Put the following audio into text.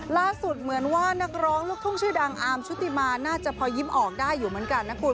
เหมือนว่านักร้องลูกทุ่งชื่อดังอาร์มชุติมาน่าจะพอยิ้มออกได้อยู่เหมือนกันนะคุณ